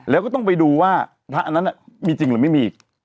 แล้วก็ต้องไปดูว่าพระอันนั้นมีจริงหรือไม่มีอีก